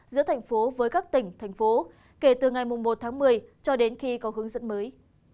giữa thành phố với các tỉnh thành phố kể từ ngày một tháng một mươi cho đến khi có hướng dẫn mới